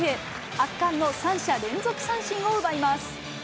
圧巻の３者連続三振を奪います。